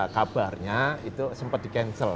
kabarnya itu sempat di cancel